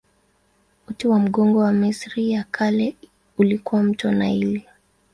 Uti wa mgongo wa Misri ya Kale ulikuwa mto Naili.